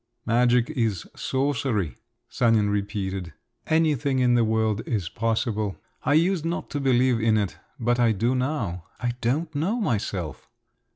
"Magic is sorcery …" Sanin repeated, "Anything in the world is possible. I used not to believe in it—but I do now. I don't know myself."